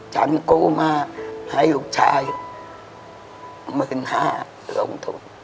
ฉันกู้มาให้ลูกชาย๑๕๐๐ลงทุน